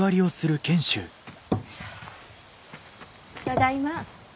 ただいま。